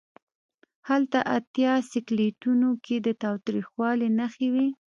هلته اتیا سلکیټونو کې د تاوتریخوالي نښې وې.